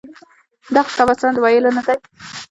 دغه کتاب اصلاً د ویلو نه دی.